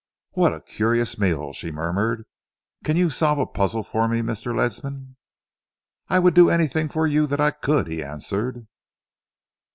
"What a curious meal!" she murmured. "Can you solve a puzzle for me, Mr. Ledsam?" "I would do anything for you that I could," he answered.